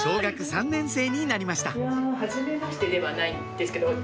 「はじめまして」ではないんですけど。